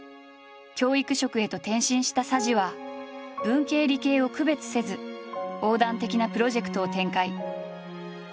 教育職へと転身した佐治は文系理系を区別せず横断的なプロジェクトを展開。